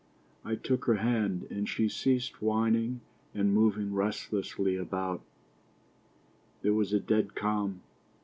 I took her hand, and she ceased whining and moving restlessly about. There was a dead calm.